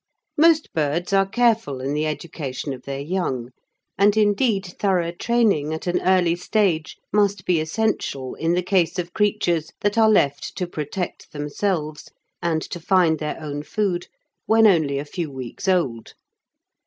Most birds are careful in the education of their young, and indeed thorough training at an early stage must be essential in the case of creatures that are left to protect themselves and to find their own food when only a few weeks old.